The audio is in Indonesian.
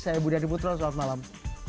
saya budi hadi putra selamat malam